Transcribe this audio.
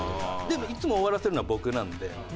でもいつも終わらせるのは僕なので。